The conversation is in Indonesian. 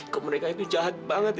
ke mereka itu jahat banget